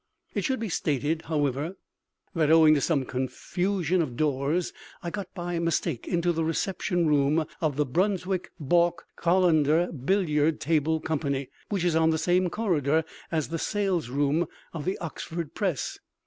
It should be stated, however, that owing to some confusion of doors I got by mistake into the reception room of the Brunswick Balke Collender Billiard Table Company, which is on the same corridor as the salesroom of the Oxford Press.